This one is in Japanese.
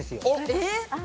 えっ！